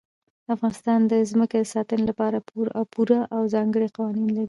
افغانستان د ځمکه د ساتنې لپاره پوره او ځانګړي قوانین لري.